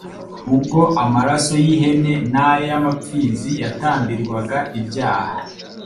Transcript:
ubwo amaraso y'ihene n'ay'amapfizi yatambirwaga ibyaha.